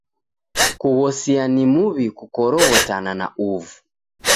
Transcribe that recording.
Kughosia ni muw'i kukoroghotana na uvu.